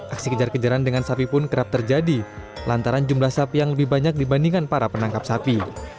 aksi kejar kejaran dengan sapi pun kerap terjadi lantaran jumlah sapi yang lebih banyak dibandingkan para penangkap sapi